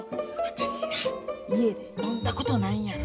私な家で飲んだことないんやら。